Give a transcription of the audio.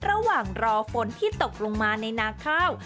ระหว่างรอฝนที่ตกลงมาในนาข้าว